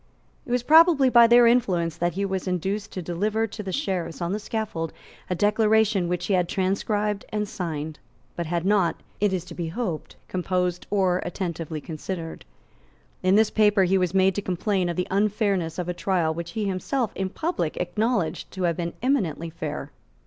It was probably by their influence that he was induced to deliver to the Sheriffs on the scaffold a declaration which he had transcribed and signed, but had not, it is to be hoped, composed or attentively considered. In this paper he was made to complain of the unfairness of a trial which he had himself in public acknowledged to have been eminently fair.